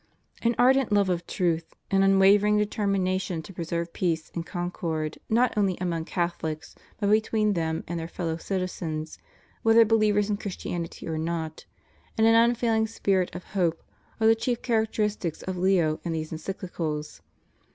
An ardent love of truth, an unwavering detemiination 6 PREFACE. to preserve peace and concord not only among Catholics but between them and their fellow citizens, whether believers in Christianity or not, and an unfailing spirit of hope, are the chief characteristics of Leo in these En cyclicals.